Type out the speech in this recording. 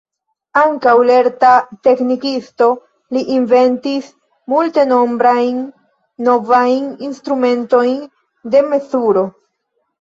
Ankaŭ lerta teknikisto, li inventis multenombrajn novajn instrumentojn de mezuro.